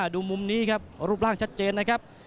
ดูมุมนี้ครับรูปร่างชัดเจนนะครับ